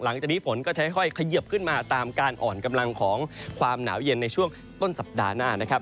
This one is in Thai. หลังจากนี้ฝนก็จะค่อยเขยิบขึ้นมาตามการอ่อนกำลังของความหนาวเย็นในช่วงต้นสัปดาห์หน้านะครับ